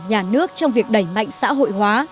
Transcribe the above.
nhà nước trong việc đẩy mạnh xã hội hóa